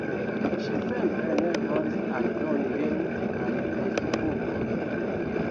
Ŝi simple ne volis aldoni lin al Fejsbuko.